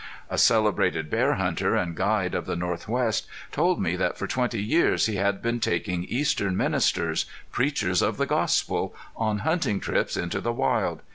A celebrated bear hunter and guide of the northwest told me that for twenty years he had been taking eastern ministers preachers of the gospel on hunting trips into the wild.